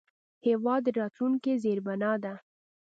هېواد د راتلونکي زیربنا ده.